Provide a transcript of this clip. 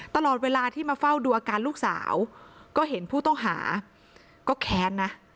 ตลอดเวลาที่มาเฝ้าดูอาการลูกสาวก็เห็นผู้ต้องหาก็แค้นนะ